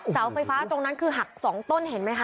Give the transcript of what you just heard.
เสาไฟฟ้าตรงนั้นคือหัก๒ต้นเห็นไหมคะ